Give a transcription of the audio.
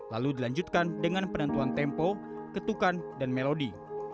lalu dilanjutkan dengan penentuan tempo ketukan dan melodi